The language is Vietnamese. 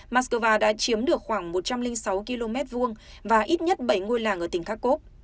moscow đã chiếm được khoảng một trăm linh sáu km hai và ít nhất bảy ngôi làng ở tỉnh kharkov